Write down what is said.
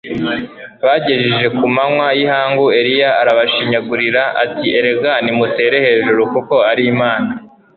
Bagejeje ku manywa yihangu Eliya arabashinyagurira ati Erega nimutere hejuru kuko ari imana